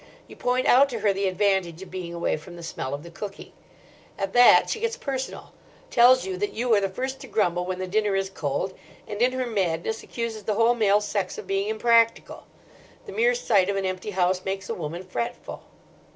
You point out to her the advantage of being away from the smell of the cooking. At that she gets personal: tells you that you are the first to grumble when the dinner is cold; and in her madness accuses the whole male sex of being impractical. The mere sight of an empty house makes a woman fretful.